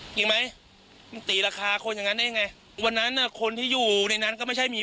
จริงไหมมันตีราคาคนอย่างนั้นได้ยังไงวันนั้นอ่ะคนที่อยู่ในนั้นก็ไม่ใช่มี